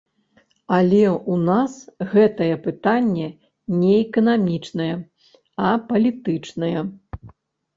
Але ў нас гэтае пытанне не эканамічнае, а палітычнае.